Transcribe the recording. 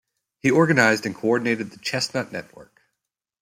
He organised and coordinated the "Chestnut" network.